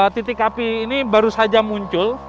titik api ini baru saja muncul